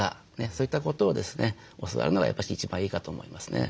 そういったことをですね教わるのがやっぱし一番いいかと思いますね。